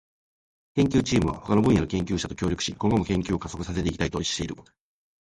研究チームは他の分野の研究者と協力し、今後も研究を加速させていきたいとしている。